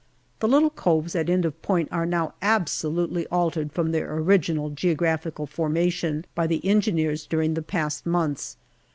The little coves at end of point are now absolutely altered from their original geographical formation by the Engineers during the past months.